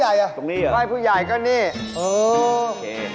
อ๊ายผู้ใหญ่ก็นี่